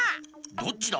どっちだ？